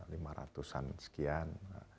lima ratusan sekian